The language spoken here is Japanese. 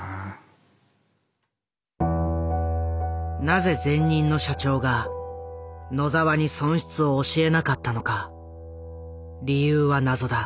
なぜ前任の社長が野澤に損失を教えなかったのか理由は謎だ。